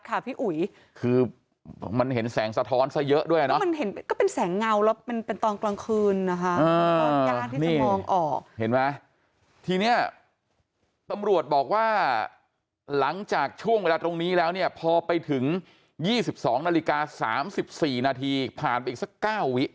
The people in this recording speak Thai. ในในในในในในในในในในในในในในในในในในในในในในในในในในในในในในในในในในในในในในในใน